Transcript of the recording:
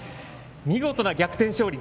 見事な逆転勝利。